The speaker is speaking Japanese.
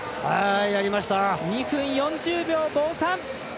２分４０秒５３。